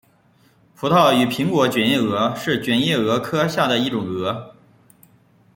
葡萄与苹果卷叶蛾是卷叶蛾科下的一种蛾。